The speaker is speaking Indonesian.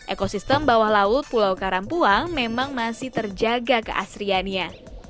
ekosistem bawah laut pulau karampuang memang masih terjaga keasriannya